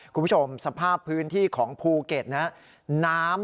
คุณผู้ชมสภาพพื้นที่ของภูเก็ตนะ